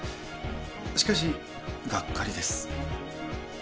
しかしがっかりです。